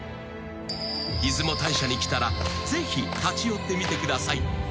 ［出雲大社に来たらぜひ立ち寄ってみてください］